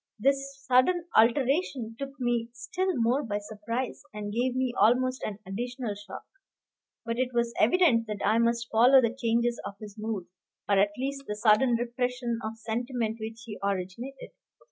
This sudden alteration took me still more by surprise, and gave me almost an additional shock; but it was evident that I must follow the changes of his mood, or at least the sudden repression of sentiment which he originated.